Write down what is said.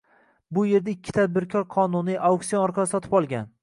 Bu yerda ikki tadbirkor qonuniy, auksion orqali sotib olgan